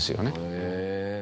へえ。